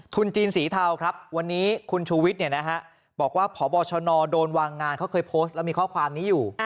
จีนสีเทาครับวันนี้คุณชูวิทย์บอกว่าพบชนโดนวางงานเขาเคยโพสต์แล้วมีข้อความนี้อยู่